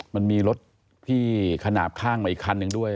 มันมีรถที่ขนาดข้างมาอีกคันหนึ่งด้วย